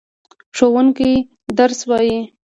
ښوونکی درس وايي.